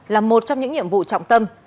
là một trong những nhiệm vụ trọng tâm